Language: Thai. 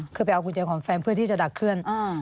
คือไปเอากุญแจของแฟนเพื่อที่จะดักเคลื่อน